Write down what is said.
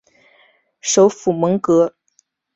首府蒙戈。